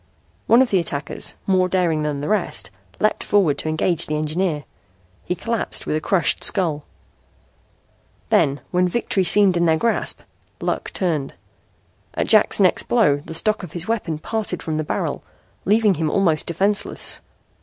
One of the attackers, more daring than the rest, leaped forward to engage the engineer. He collapsed with a crushed skull. Then, when victory seemed in their grasp, luck turned. At Jack's next blow the stock of his weapon parted from the barrel, leaving him almost defenseless.